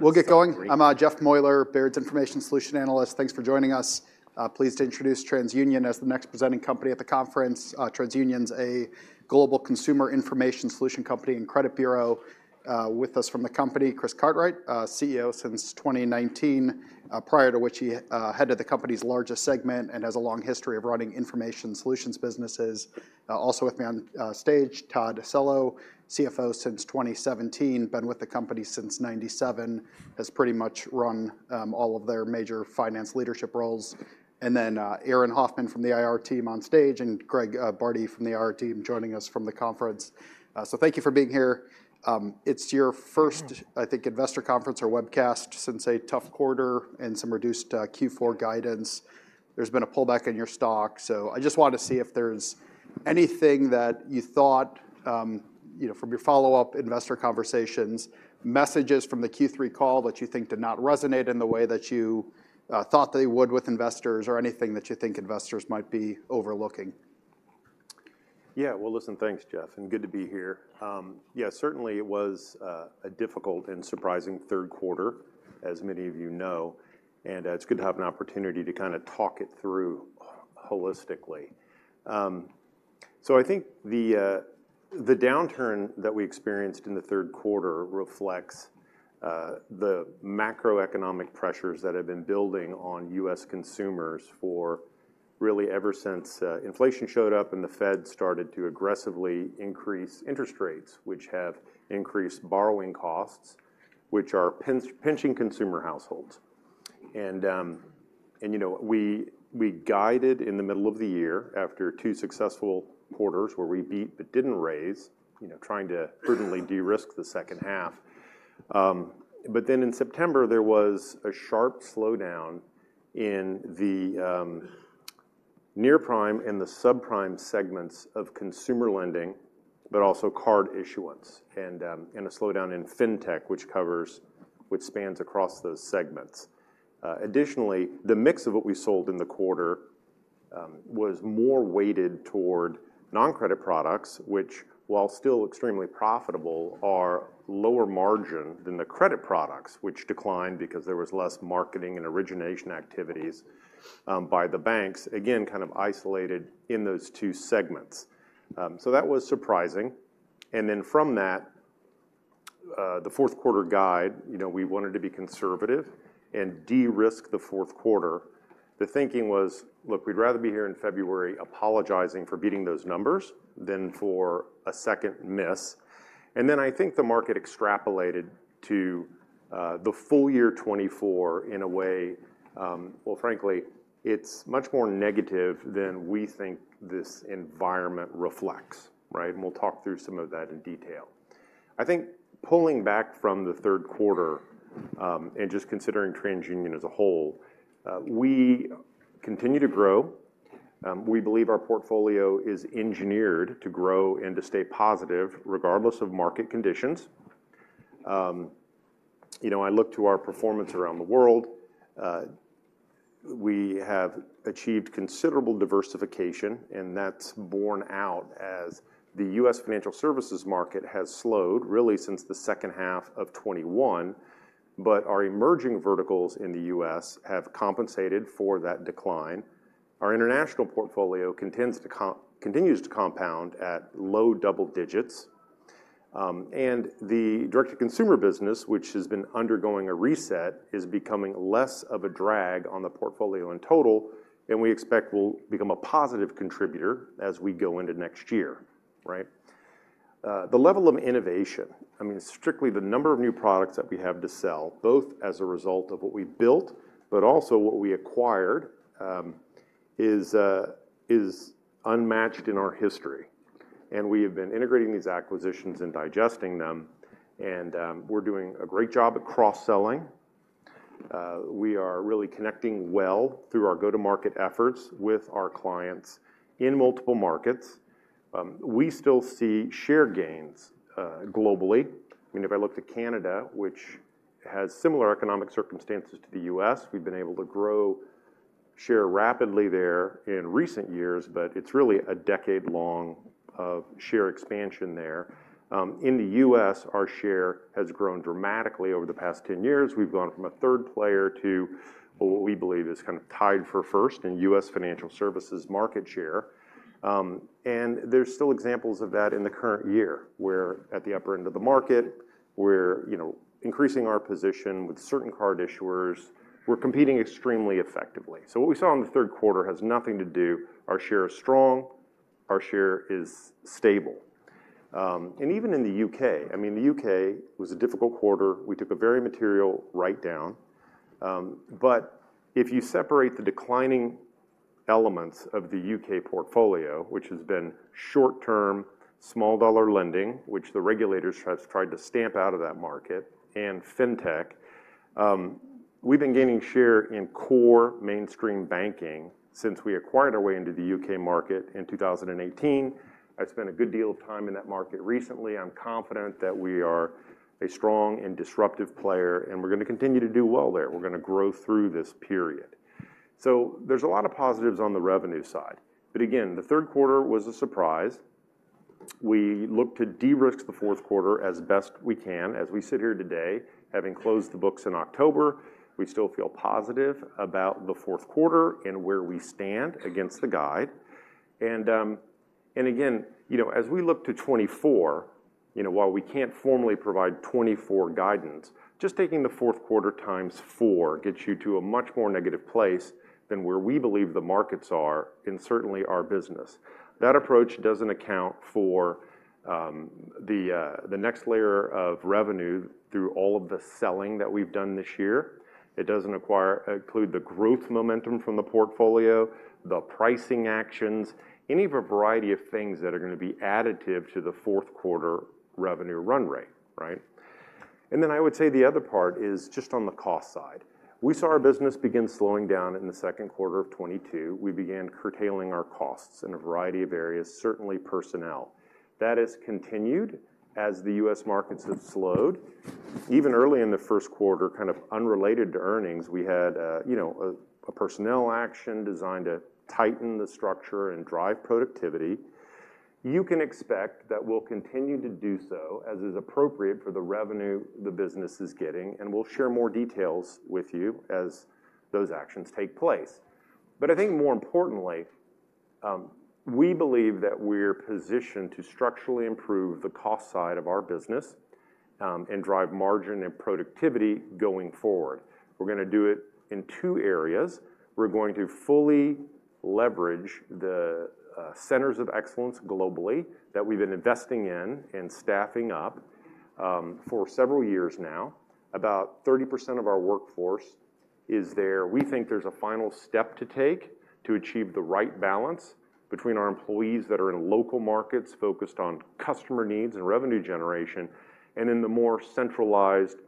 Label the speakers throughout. Speaker 1: We'll get going. I'm Jeff Meuler, Baird's Information Solutions Analyst. Thanks for joining us. Pleased to introduce TransUnion as the next presenting company at the conference. TransUnion's a global consumer information solutions company and credit bureau. With us from the company, Chris Cartwright, CEO since 2019, prior to which he headed the company's largest segment and has a long history of running information solutions businesses. Also with me on stage, Todd Cello, CFO since 2017, been with the company since 1997. Has pretty much run all of their major finance leadership roles. And then Aaron Hoffman from the IR team on stage, and Greg Bardi from the IR team, joining us from the conference. So thank you for being here. It's your first-
Speaker 2: Mm-hmm.
Speaker 1: I think investor conference or webcast since a tough quarter and some reduced Q4 guidance. There's been a pullback in your stock, so I just wanted to see if there's anything that you thought you know from your follow-up investor conversations, messages from the Q3 call that you think did not resonate in the way that you thought they would with investors, or anything that you think investors might be overlooking?
Speaker 2: Yeah. Well, listen, thanks, Jeff, and good to be here. Yeah, certainly it was a difficult and surprising Q3, as many of you know, and it's good to have an opportunity to kinda talk it through holistically. So I think the downturn that we experienced in the Q3 reflects the macroeconomic pressures that have been building on U.S. consumers for really ever since inflation showed up and the Fed started to aggressively increase interest rates, which have increased borrowing costs, which are pinching consumer households. And you know, we guided in the middle of the year after two successful quarters where we beat but didn't raise, you know, trying to prudently de-risk the second half. But then in September, there was a sharp slowdown in the near prime and the subprime segments of consumer lending, but also card issuance, and a slowdown in fintech, which spans across those segments. Additionally, the mix of what we sold in the quarter was more weighted toward non-credit products, which, while still extremely profitable, are lower margin than the credit products, which declined because there was less marketing and origination activities by the banks. Again, kind of isolated in those two segments. So that was surprising. And then from that, the Q4 guide, you know, we wanted to be conservative and de-risk the Q4. The thinking was, look, we'd rather be here in February apologizing for beating those numbers than for a second miss. Then I think the market extrapolated to the full year 2024 in a way, well, frankly, it's much more negative than we think this environment reflects, right? And we'll talk through some of that in detail. I think pulling back from the Q3 and just considering TransUnion as a whole, we continue to grow. We believe our portfolio is engineered to grow and to stay positive, regardless of market conditions. You know, I look to our performance around the world. We have achieved considerable diversification, and that's borne out as the U.S. financial services market has slowed, really since the H2 of 2021, but our emerging verticals in the U.S. have compensated for that decline. Our international portfolio continues to compound at low double digits. And the direct-to-consumer business, which has been undergoing a reset, is becoming less of a drag on the portfolio in total, and we expect will become a positive contributor as we go into next year, right? The level of innovation, I mean, strictly the number of new products that we have to sell, both as a result of what we built, but also what we acquired, is unmatched in our history. And we have been integrating these acquisitions and digesting them, and we're doing a great job at cross-selling. We are really connecting well through our go-to-market efforts with our clients in multiple markets. We still see share gains globally. I mean, if I look to Canada, which has similar economic circumstances to the U.S., we've been able to grow share rapidly there in recent years, but it's really a decade-long of share expansion there. In the U.S, our share has grown dramatically over the past 10 years. We've gone from a third player to what we believe is kind of tied for first in U.S financial services market share. And there's still examples of that in the current year, where at the upper end of the market, we're, you know, increasing our position with certain card issuers. We're competing extremely effectively. So what we saw in the Q3 has nothing to do Our share is strong, our share is stable. And even in the U.K, I mean, the U.K was a difficult quarter. We took a very materialwritedown. But if you separate the declining elements of the U.K portfolio, which has been short-term, small dollar lending, which the regulators has tried to stamp out of that market, and fintech, we've been gaining share in core mainstream banking since we acquired our way into the U.K. market in 2018. I've spent a good deal of time in that market recently. I'm confident that we are a strong and disruptive player, and we're gonna continue to do well there. We're gonna grow through this period. So there's a lot of positives on the revenue side. But again, the Q3 was a surprise. We look to de-risk the Q4 as best we can. As we sit here today, having closed the books in October, we still feel positive about the Q4 and where we stand against the guide. And again, you know, as we look to 2024, you know, while we can't formally provide 2024 guidance, just taking the Q4 times four gets you to a much more negative place than where we believe the markets are, and certainly our business. That approach doesn't account for the next layer of revenue through all of the selling that we've done this year. It doesn't include the growth momentum from the portfolio, the pricing actions, any of a variety of things that are gonna be additive to the Q4 revenue run rate, right? And then I would say the other part is just on the cost side. We saw our business begin slowing down in the Q2 of 2022. We began curtailing our costs in a variety of areas, certainly personnel. That has continued as the U.S. markets have slowed. Even early in the Q1, kind of unrelated to earnings, we had, you know, a, a personnel action designed to tighten the structure and drive productivity. You can expect that we'll continue to do so as is appropriate for the revenue the business is getting and we'll share more details with you as those actions take place. But I think more importantly, we believe that we're positioned to structurally improve the cost side of our business, and drive margin and productivity going forward. We're gonna do it in two areas. We're going to fully leverage the centers of excellence globally that we've been investing in and staffing up, for several years now. About 30% of our workforce is there. We think there's a final step to take to achieve the right balance between our employees that are in local markets, focused on customer needs and revenue generation, and in the more centralized,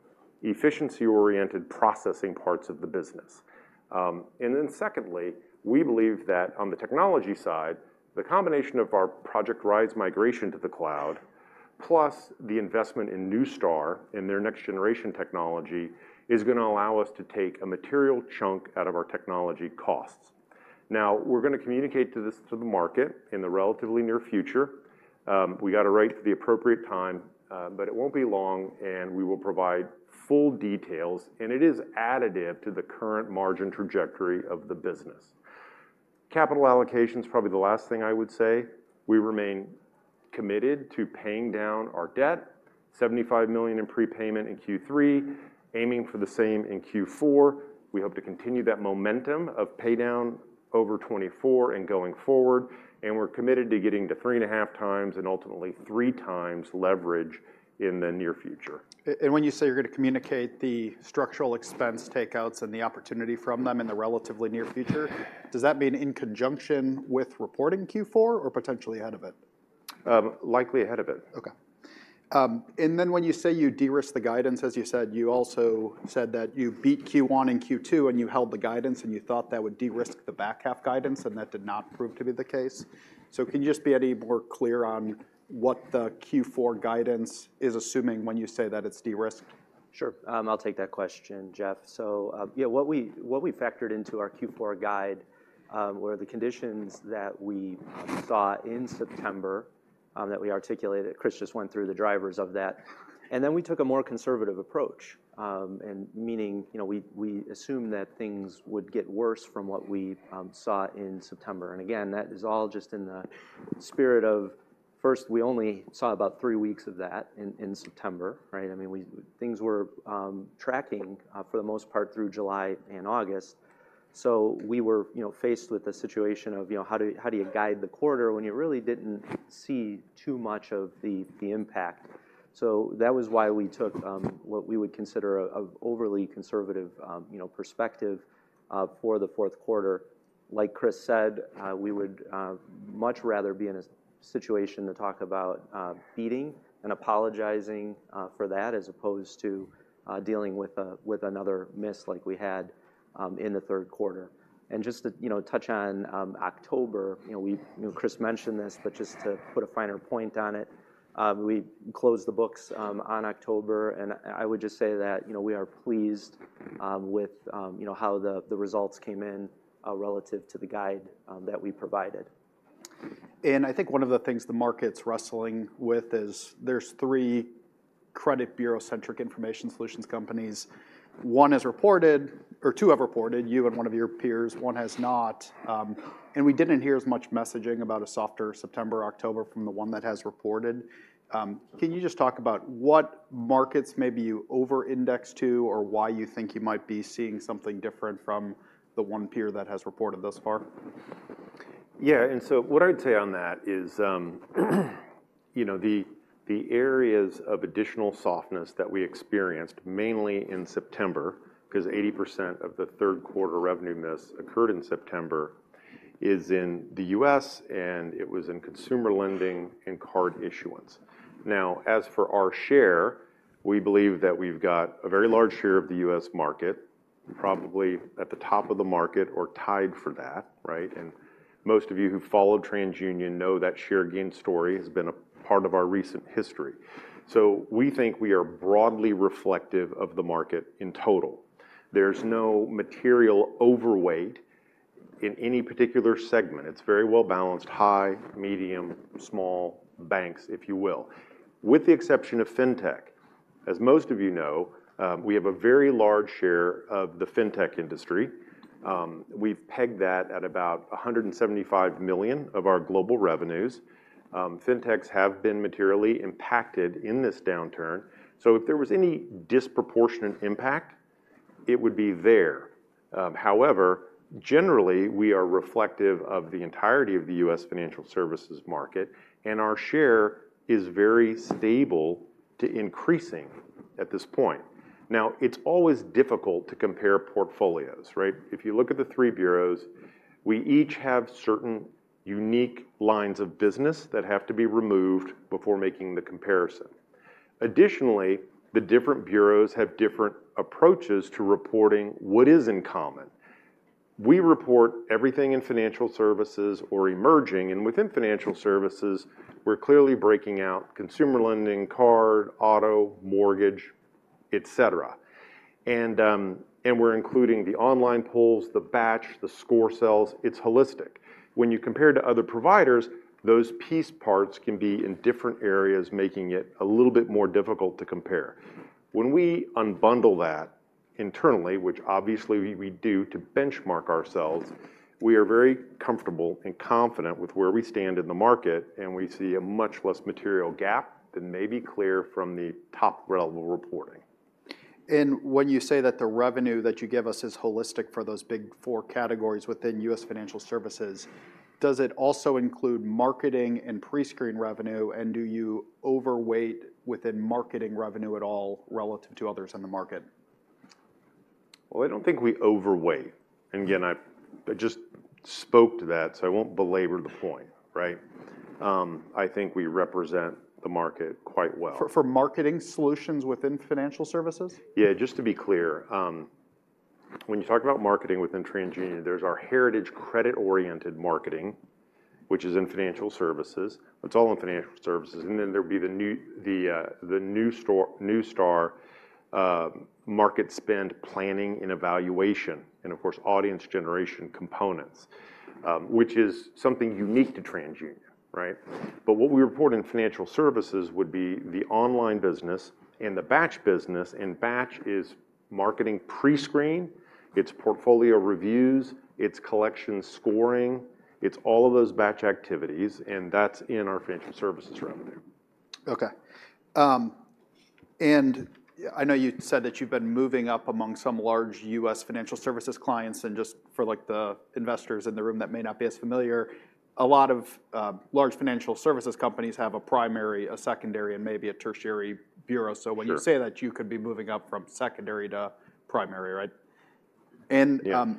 Speaker 2: efficiency-oriented processing parts of the business. And then secondly, we believe that on the technology side, the combination of our Project Rise migration to the cloud, plus the investment in Neustar and their next generation technology, is gonna allow us to take a material chunk out of our technology costs. Now, we're gonna communicate to the market in the relatively near future. We got to wait for the appropriate time, but it won't be long, and we will provide full details, and it is additive to the current margin trajectory of the business. Capital allocation is probably the last thing I would say. We remain committed to paying down our debt, $75 million in prepayment in Q3, aiming for the same in Q4. We hope to continue that momentum of paydown over 2024 and going forward, and we're committed to getting to 3.5x and ultimately 3x leverage in the near future.
Speaker 1: When you say you're gonna communicate the structural expense takeouts and the opportunity from them in the relatively near future, does that mean in conjunction with reporting Q4 or potentially ahead of it?
Speaker 2: Likely ahead of it.
Speaker 1: Okay. And then when you say you de-risk the guidance, as you said, you also said that you beat Q1 and Q2, and you held the guidance and you thought that would de-risk the back half guidance, and that did not prove to be the case. So can you just be any more clear on what the Q4 guidance is assuming when you say that it's de-risked?
Speaker 3: Sure, I'll take that question, Jeff. So, yeah, what we factored into our Q4 guide were the conditions that we saw in September that we articulated. Chris just went through the drivers of that, and then we took a more conservative approach. And meaning, you know, we assumed that things would get worse from what we saw in September. And again, that is all just in the spirit of first, we only saw about three weeks of that in September, right? I mean, things were tracking for the most part through July and August. So we were, you know, faced with the situation of, you know, how do you guide the quarter when you really didn't see too much of the impact. So that was why we took what we would consider an overly conservative, you know, perspective for the Q4. Like Chris said, we would much rather be in a situation to talk about beating and apologizing for that, as opposed to dealing with another miss like we had in the Q3. And just to, you know, touch on October, you know, we, you know, Chris mentioned this, but just to put a finer point on it, we closed the books on October, and I would just say that, you know, we are pleased with, you know, how the results came in relative to the guide that we provided.
Speaker 1: I think one of the things the market's wrestling with is there's three credit bureau-centric information solutions companies. One has reported, or two have reported, you and one of your peers, one has not, and we didn't hear as much messaging about a softer September, October from the one that has reported. Can you just talk about what markets maybe you over-indexed to or why you think you might be seeing something different from the one peer that has reported thus far?
Speaker 2: Yeah, and so what I'd say on that is, you know, the, the areas of additional softness that we experienced, mainly in September, because 80% of the Q3 revenue miss occurred in September, is in the U.S, and it was in consumer lending and card issuance. Now, as for our share, we believe that we've got a very large share of the U.S. market, probably at the top of the market or tied for that, right? And most of you who followed TransUnion know that share gain story has been a part of our recent history. So we think we are broadly reflective of the market in total. There's no material overweight in any particular segment. It's very well-balanced, high, medium, small banks, if you will. With the exception of fintech. As most of you know, we have a very large share of the fintech industry. We've pegged that at about $175 million of our global revenues. fintechs have been materially impacted in this downturn, so if there was any disproportionate impact, it would be there. However, generally, we are reflective of the entirety of the U.S. financial services market, and our share is very stable to increasing at this point. Now, it's always difficult to compare portfolios, right? If you look at the three bureaus, we each have certain unique lines of business that have to be removed before making the comparison. Additionally, the different bureaus have different approaches to reporting what is in common. We report everything in financial services or emerging, and within financial services, we're clearly breaking out consumer lending, card, auto, mortgage, etcetera. And we're including the online pulls, the batch, the Score sales, it's holistic. When you compare to other providers, those piece parts can be in different areas, making it a little bit more difficult to compare. When we unbundle that internally, which obviously we do to benchmark ourselves, we are very comfortable and confident with where we stand in the market, and we see a much less material gap than may be clear from the top-level reporting.
Speaker 1: When you say that the revenue that you give us is holistic for those big four categories within U.S. financial services, does it also include marketing and pre-screen revenue, and do you overweight within marketing revenue at all relative to others in the market?
Speaker 2: Well, I don't think we overweight. And again, I just spoke to that, so I won't belabor the point, right? I think we represent the market quite well.
Speaker 1: For marketing solutions within financial services?
Speaker 2: Yeah, just to be clear, when you talk about marketing within TransUnion, there's our heritage credit-oriented marketing, which is in financial services. It's all in financial services, and then there would be the new Neustar market spend planning and evaluation, and of course, audience generation components, which is something unique to TransUnion, right? But what we report in financial services would be the online business and the batch business, and batch is marketing pre-screen, it's portfolio reviews, it's collection scoring, it's all of those batch activities, and that's in our financial services revenue.
Speaker 1: Okay. And I know you said that you've been moving up among some large U.S. financial services clients, and just for, like, the investors in the room that may not be as familiar, a lot of large financial services companies have a primary, a secondary, and maybe a tertiary bureau.
Speaker 2: Sure.
Speaker 1: When you say that, you could be moving up from secondary to primary, right?
Speaker 2: Yeah.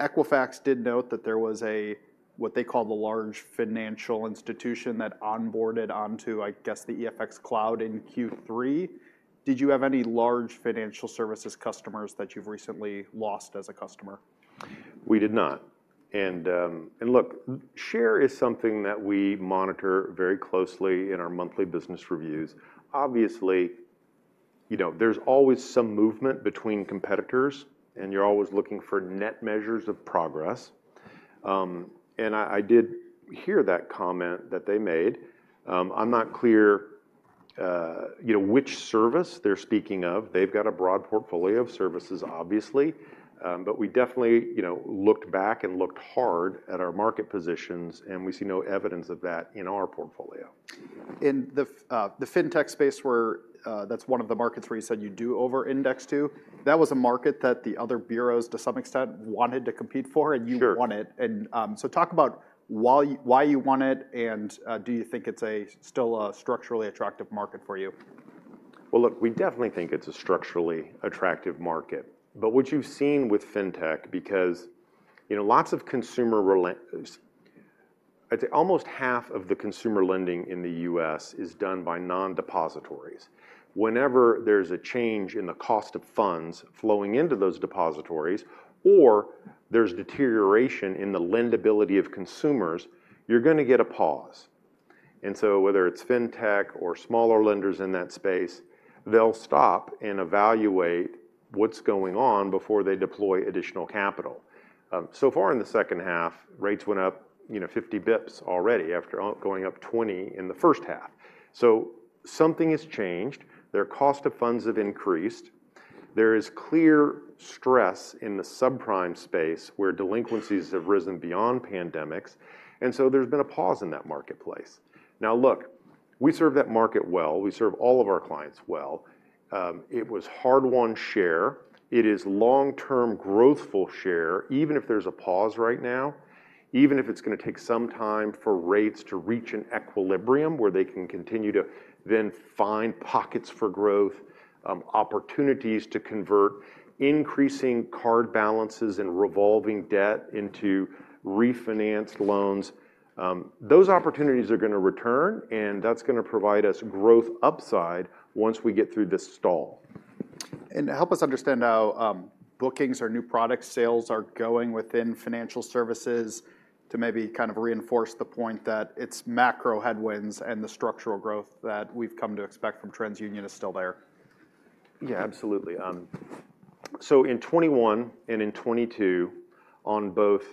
Speaker 1: Equifax did note that there was a, what they call the large financial institution that onboarded onto, I guess, the EFX Cloud in Q3. Did you have any large financial services customers that you've recently lost as a customer?
Speaker 2: We did not. And look, share is something that we monitor very closely in our monthly business reviews. Obviously, you know, there's always some movement between competitors, and you're always looking for net measures of progress. I did hear that comment that they made. I'm not clear, you know, which service they're speaking of. They've got a broad portfolio of services, obviously, but we definitely, you know, looked back and looked hard at our market positions, and we see no evidence of that in our portfolio.
Speaker 1: In the fintech space where, that's one of the markets where you said you do over-index to, that was a market that the other bureaus, to some extent, wanted to compete for-
Speaker 2: Sure...
Speaker 1: and you won it. And, so talk about why you won it, and, do you think it's still a structurally attractive market for you?
Speaker 2: Well, look, we definitely think it's a structurally attractive market. But what you've seen with fintech, because, you know, lots of consumer lending I'd say almost half of the consumer lending in the U.S. is done by non-depositories. Whenever there's a change in the cost of funds flowing into those depositories, or there's deterioration in the lendability of consumers, you're gonna get a pause. And so whether it's fintech or smaller lenders in that space, they'll stop and evaluate what's going on before they deploy additional capital. So far in the H2, rates went up, you know, 50 basis points already, after going up 20 in the H1. So something has changed. Their cost of funds have increased. There is clear stress in the subprime space, where delinquencies have risen beyond pandemics, and so there's been a pause in that marketplace. Now, look, we serve that market well. We serve all of our clients well. It was hard-won share. It is long-term, growthful share, even if there's a pause right now, even if it's gonna take some time for rates to reach an equilibrium, where they can continue to then find pockets for growth, opportunities to convert increasing card balances and revolving debt into refinance loans. Those opportunities are gonna return, and that's gonna provide us growth upside once we get through this stall.
Speaker 1: Help us understand how bookings or new product sales are going within financial services to maybe kind of reinforce the point that it's macro headwinds and the structural growth that we've come to expect from TransUnion is still there.
Speaker 2: Yeah, absolutely. So in 2021 and in 2022, on both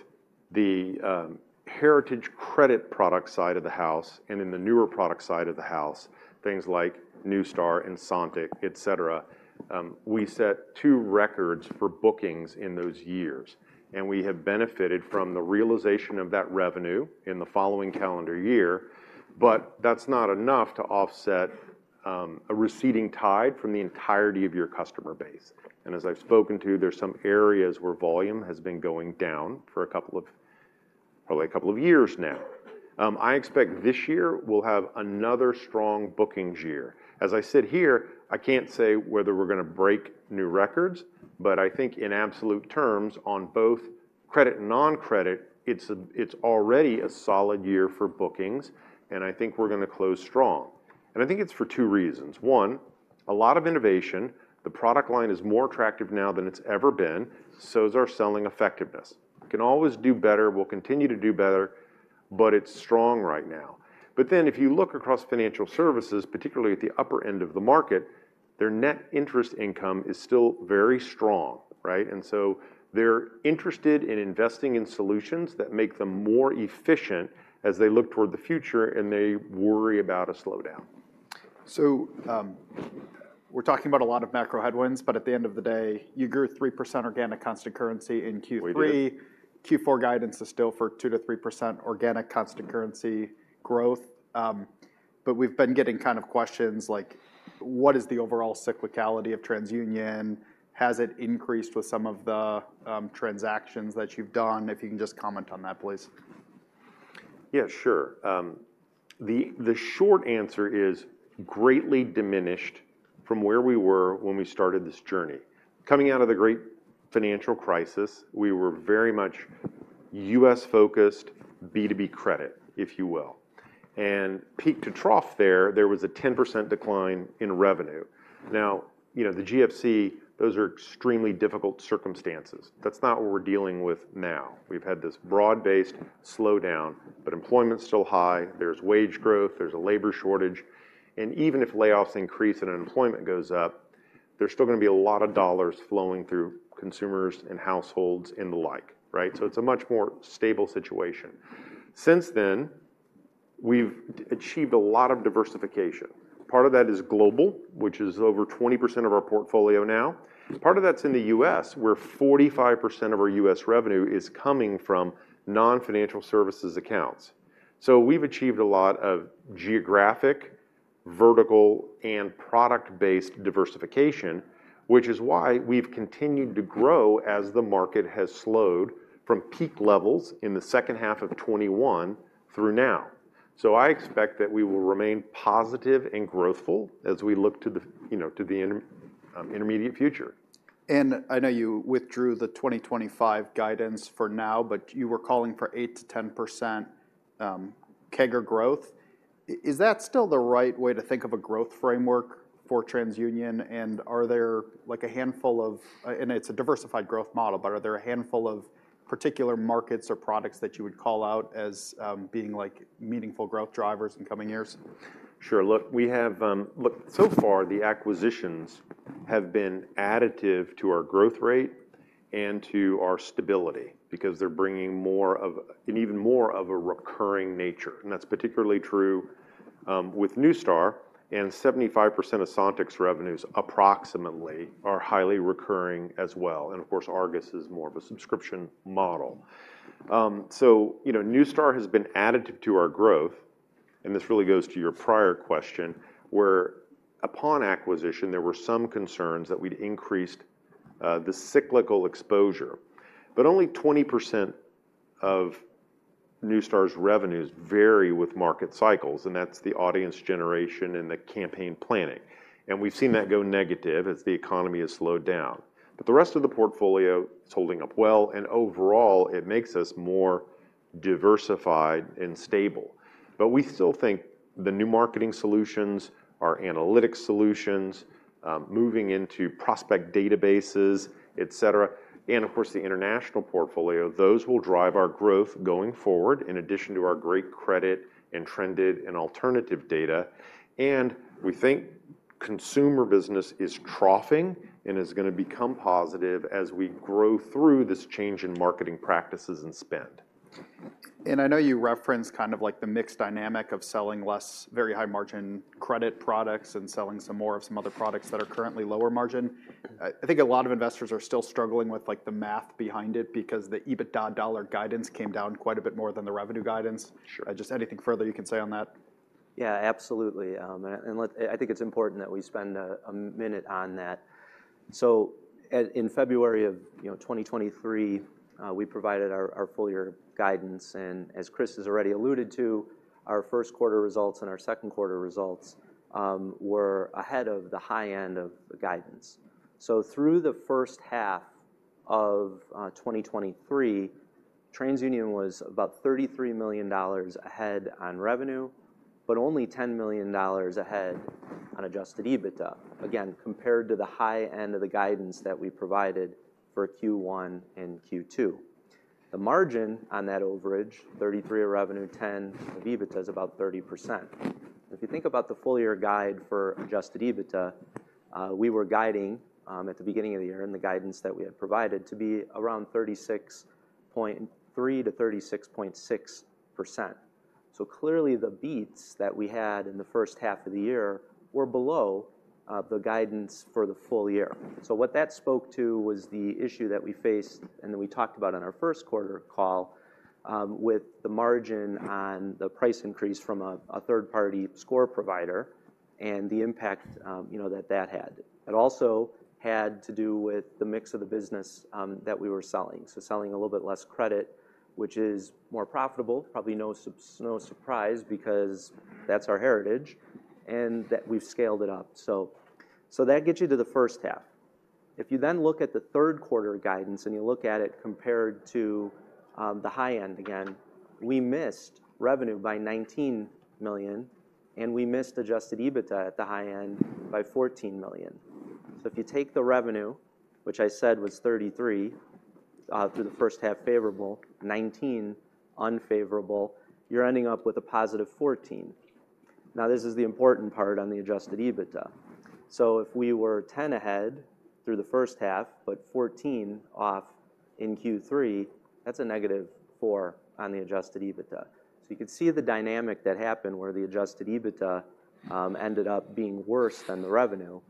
Speaker 2: the heritage credit product side of the house and in the newer product side of the house, things like Neustar and Sontiq, etc. We set two records for bookings in those years, and we have benefited from the realization of that revenue in the following calendar year. But that's not enough to offset a receding tide from the entirety of your customer base. And as I've spoken to, there's some areas where volume has been going down for a couple of, probably a couple of years now. I expect this year we'll have another strong bookings year. As I sit here, I can't say whether we're gonna break new records, but I think in absolute terms, on both credit and non-credit, it's already a solid year for bookings, and I think we're gonna close strong. And I think it's for two reasons. One, a lot of innovation. The product line is more attractive now than it's ever been, so is our selling effectiveness. We can always do better, we'll continue to do better, but it's strong right now. But then, if you look across financial services, particularly at the upper end of the market, their net interest income is still very strong, right? And so they're interested in investing in solutions that make them more efficient as they look toward the future, and they worry about a slowdown.
Speaker 1: We're talking about a lot of macro headwinds, but at the end of the day, you grew 3% organic constant currency in Q3.
Speaker 2: We did.
Speaker 1: Q4 guidance is still for 2%-3% organic constant currency growth. But we've been getting kind of questions like, what is the overall cyclicality of TransUnion? Has it increased with some of the transactions that you've done? If you can just comment on that, please.
Speaker 2: Yeah, sure. The short answer is greatly diminished from where we were when we started this journey. Coming out of the great financial crisis, we were very much U.S. focused, B2B credit, if you will. And peak to trough there, there was a 10% decline in revenue. Now, you know, the GFC, those are extremely difficult circumstances. That's not what we're dealing with now. We've had this broad-based slowdown, but employment's still high, there's wage growth, there's a labor shortage, and even if layoffs increase and unemployment goes up, there's still gonna be a lot of dollars flowing through consumers and households and the like, right? So it's a much more stable situation. Since then, we've achieved a lot of diversification. Part of that is global, which is over 20% of our portfolio now. Part of that's in the U.S. where 45% of our U.S. revenue is coming from non-financial services accounts. So we've achieved a lot of geographic, vertical, and product-based diversification, which is why we've continued to grow as the market has slowed from peak levels in the second half of 2021 through now. So I expect that we will remain positive and growthful as we look to the, you know, to the intermediate future.
Speaker 1: I know you withdrew the 2025 guidance for now, but you were calling for 8%-10%, CAGR growth. Is that still the right way to think of a growth framework for TransUnion? Are there like a handful of, and it's a diversified growth model, but are there a handful of particular markets or products that you would call out as, being, like, meaningful growth drivers in coming years?
Speaker 2: Sure. Look, we have, Look, so far, the acquisitions have been additive to our growth rate and to our stability because they're bringing more of an even more of a recurring nature, and that's particularly true, with Neustar, and 75% of Sontiq's revenues, approximately, are highly recurring as well. And of course, Argus is more of a subscription model. So, you know, Neustar has been additive to our growth, and this really goes to your prior question, where upon acquisition, there were some concerns that we'd increased the cyclical exposure. But only 20% of Neustar's revenues vary with market cycles, and that's the audience generation and the campaign planning. And we've seen that go negative as the economy has slowed down. But the rest of the portfolio is holding up well, and overall, it makes us more diversified and stable. But we still think the new marketing solutions, our analytic solutions, moving into prospect databases, etc., and of course, the international portfolio, those will drive our growth going forward, in addition to our great credit and trended and alternative data. And we think consumer business is troughing and is gonna become positive as we grow through this change in marketing practices and spend.
Speaker 1: I know you referenced kind of like the mixed dynamic of selling less very high margin credit products and selling some more of some other products that are currently lower margin. I think a lot of investors are still struggling with, like, the math behind it because the EBITDA dollar guidance came down quite a bit more than the revenue guidance.
Speaker 2: Sure.
Speaker 1: Just anything further you can say on that?
Speaker 3: Yeah, absolutely. I think it's important that we spend a minute on that. So in February of, you know, 2023, we provided our full year guidance, and as Chris has already alluded to, our Q1 results and our Q2 results were ahead of the high end of the guidance. So through the first half of 2023, TransUnion was about $33 million ahead on revenue, but only $10 million ahead on adjusted EBITDA. Again, compared to the high end of the guidance that we provided for Q1 and Q2. The margin on that overage, 33 revenue, 10 EBITDA is about 30%. If you think about the full year guide for adjusted EBITDA, we were guiding at the beginning of the year and the guidance that we had provided to be around 36.3%-36.6%. So clearly, the beats that we had in the H1 of the year were below the guidance for the full year. So what that spoke to was the issue that we faced, and that we talked about on our Q1 call, with the margin on the price increase from a third-party score provider and the impact, you know, that that had. It also had to do with the mix of the business that we were selling. So selling a little bit less credit, which is more profitable, probably no surprise, because that's our heritage, and that we've scaled it up. So that gets you to the H1. If you then look at the Q3 guidance, and you look at it compared to the high end again, we missed revenue by $19 million, and we missed adjusted EBITDA at the high end by $14 million. So if you take the revenue, which I said was $33 million through the H1 favorable, $19 million unfavorable, you're ending up with a positive $14 million. Now, this is the important part on the adjusted EBITDA. So if we were $10 million ahead through the first half, but $14 million off in Q3, that's a negative $4 million on the adjusted EBITDA. So you could see the dynamic that happened, where the adjusted EBITDA ended up being worse than the revenue,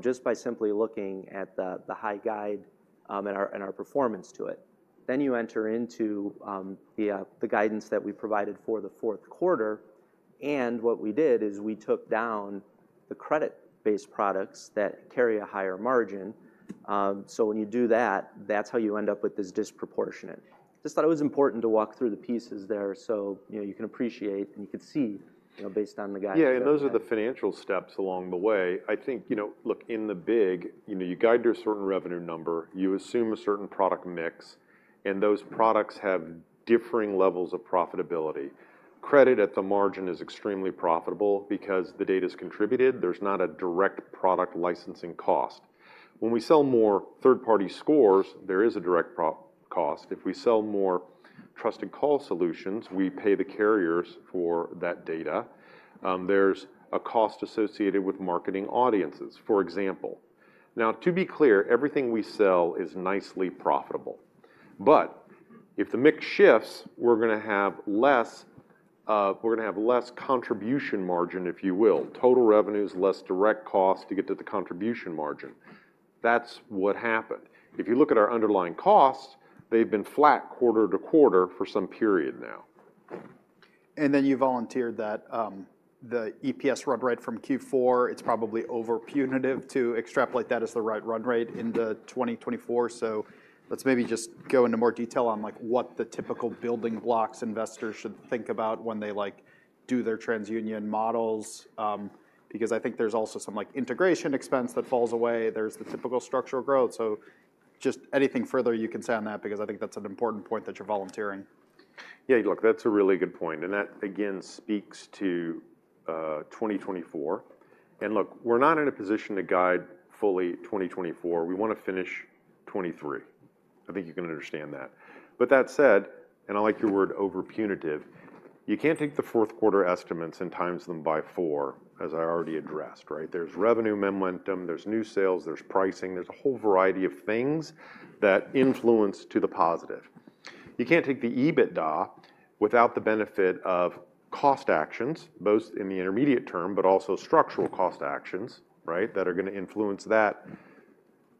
Speaker 3: just by simply looking at the high guide and our performance to it. Then you enter into the guidance that we provided for the Q4, and what we did is we took down the credit-based products that carry a higher margin. So when you do that, that's how you end up with this disproportionate. Just thought it was important to walk through the pieces there so, you know, you can appreciate, and you could see, you know, based on the guide-
Speaker 2: Yeah, and those are the financial steps along the way. I think, you know, look, in the big, you know, you guide your certain revenue number, you assume a certain product mix, and those products have differing levels of profitability. Credit at the margin is extremely profitable because the data's contributed. There's not a direct product licensing cost. When we sell more third-party scores, there is a direct pro-rata cost. If we sell more Trusted Call Solutions, we pay the carriers for that data. There's a cost associated with marketing audiences, for example. Now, to be clear, everything we sell is nicely profitable, but if the mix shifts, we're gonna have less, we're gonna have less contribution margin, if you will. Total revenues, less direct cost to get to the contribution margin. That's what happened. If you look at our underlying costs, they've been flat quarter-over-quarter for some period now.
Speaker 1: And then you volunteered that the EPS run rate from Q4, it's probably over punitive to extrapolate that as the right run rate into 2024. So let's maybe just go into more detail on, like, what the typical building blocks investors should think about when they, like, do their TransUnion models. Because I think there's also some, like, integration expense that falls away. There's the typical structural growth. So just anything further you can say on that, because I think that's an important point that you're volunteering.
Speaker 2: Yeah, look, that's a really good point, and that again speaks to 2024. And look, we're not in a position to guide fully 2024. We wanna finish 2023. I think you can understand that. But that said, and I like your word over punitive, you can't take the Q4 estimates and times them by four, as I already addressed, right? There's revenue momentum, there's new sales, there's pricing, there's a whole variety of things that influence to the positive. You can't take the EBITDA without the benefit of cost actions, both in the intermediate term, but also structural cost actions, right? That are gonna influence that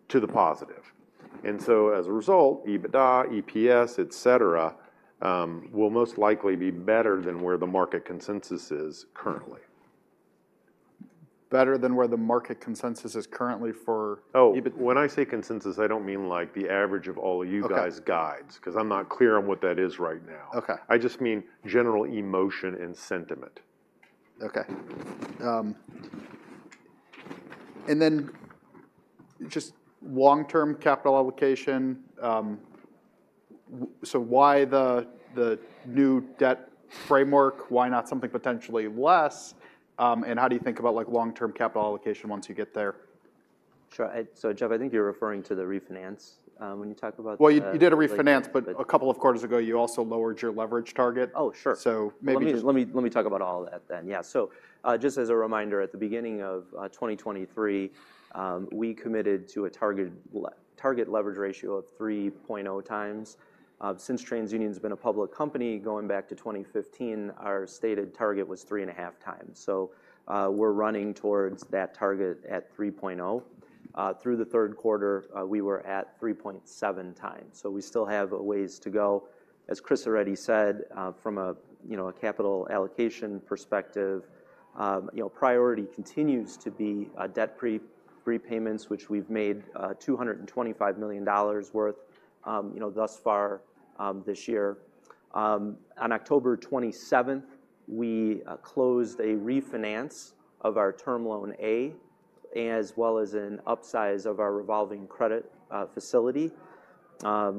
Speaker 2: to the positive. And so as a result, EBITDA, EPS, etc., will most likely be better than where the market consensus is currently.
Speaker 1: Better than where the market consensus is currently for-
Speaker 2: Oh, when I say consensus, I don't mean like the average of all of you-
Speaker 1: Okay...
Speaker 2: guys' guides, 'cause I'm not clear on what that is right now.
Speaker 1: Okay.
Speaker 2: I just mean general emotion and sentiment.
Speaker 1: Okay. And then just long-term capital allocation, so why the, the new debt framework? Why not something potentially less, and how do you think about like long-term capital allocation once you get there?
Speaker 3: Sure. So, Jeff, I think you're referring to the refinance when you talk about the-
Speaker 1: Well, you did a refinance, but a couple of quarters ago, you also lowered your leverage target.
Speaker 3: Oh, sure.
Speaker 1: Maybe just-
Speaker 3: Let me talk about all of that then. Yeah, so, just as a reminder, at the beginning of 2023, we committed to a target leverage ratio of 3.0x. Since TransUnion's been a public company, going back to 2015, our stated target was 3.5x. So, we're running towards that target at 3.0x. Through the Q3, we were at 3.7x, so we still have a ways to go. As Chris already said, from a, you know, a capital allocation perspective, you know, priority continues to be debt prepayments, which we've made $225 million worth, you know, thus far this year. On October 27th, we closed a refinance of our Term Loan A, as well as an upsize of our revolving credit facility.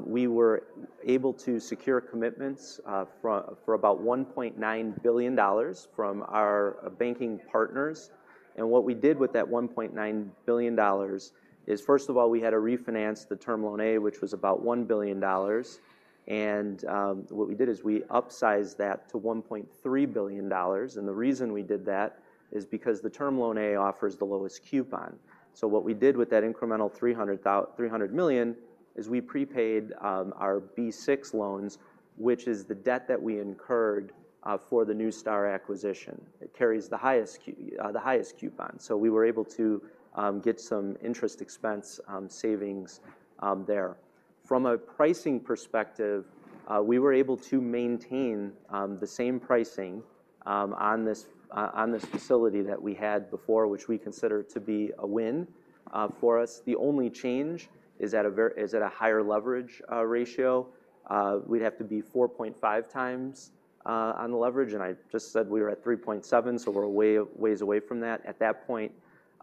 Speaker 3: We were able to secure commitments for about $1.9 billion from our banking partners. And what we did with that $1.9 billion is, first of all, we had to refinance the Term Loan A, which was about $1 billion, and what we did is we upsized that to $1.3 billion, and the reason we did that is because the Term Loan A offers the lowest coupon. So what we did with that incremental $300 million is we prepaid our B6 loans, which is the debt that we incurred for the Neustar acquisition. It carries the highest coupon, so we were able to get some interest expense savings there. From a pricing perspective, we were able to maintain the same pricing on this facility that we had before, which we consider to be a win for us. The only change is at a higher leverage ratio. We'd have to be 4.5 times on the leverage, and I just said we were at 3.7, so we're ways away from that. At that point,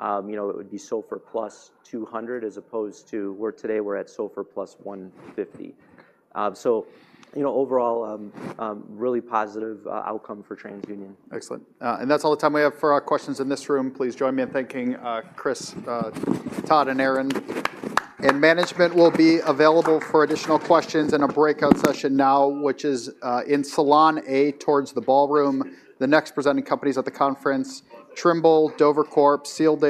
Speaker 3: you know, it would be SOFR plus 200, as opposed to today, we're at SOFR plus 150. So you know, overall, really positive outcome for TransUnion.
Speaker 1: Excellent. And that's all the time we have for our questions in this room. Please join me in thanking Chris, Todd, and Aaron. Management will be available for additional questions in a breakout session now, which is in Salon A, towards the ballroom. The next presenting companies at the conference, Trimble, Dover Corp, Sealed Air-